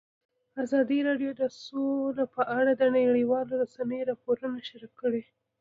ازادي راډیو د سوله په اړه د نړیوالو رسنیو راپورونه شریک کړي.